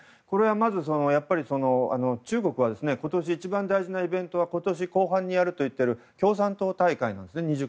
まず、中国は今年一番大事なイベントは今年後半にやる共産党大会なんですね。